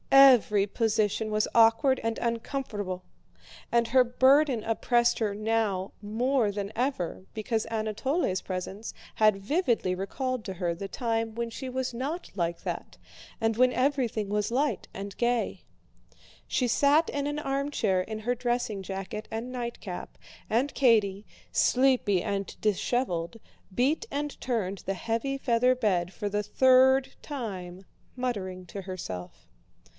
Every position was awkward and uncomfortable, and her burden oppressed her now more than ever because Anatole's presence had vividly recalled to her the time when she was not like that and when everything was light and gay. She sat in an armchair in her dressing jacket and nightcap and Katie, sleepy and disheveled, beat and turned the heavy feather bed for the third time, muttering to herself.